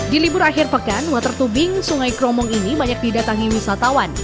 di libur akhir pekan water tubing sungai kromong ini banyak didatangi wisatawan